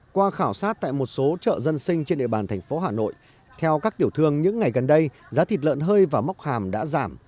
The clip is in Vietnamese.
qua khảo sát tại một số chợ dân sinh trên địa bàn thành phố hà nội theo các tiểu thương những ngày gần đây giá thịt lợn hơi và móc hàm đã giảm